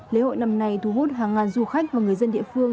lễ hội năm nay thu hút hàng ngàn du khách và người dân địa phương